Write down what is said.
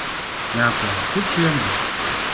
Nyako, isechiemo?